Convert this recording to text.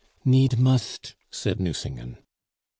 "Need must!" said Nucingen.